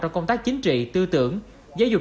trong công tác chính trị tư tưởng giải dục